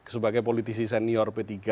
sebagai politisi senior p tiga